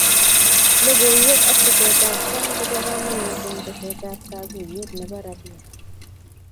Logoiywek ak tesetab tai ko bo kamanut eng tesetab kaguyet nebo rabia